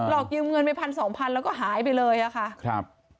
หลอกยืมเงินไปพันสองพันแล้วก็หายไปแล้วค่ะ